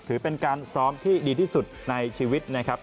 ถือเป็นการซ้อมที่ดีที่สุดในชีวิตนะครับ